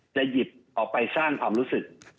หยิบออกไปสร้างความรู้สึก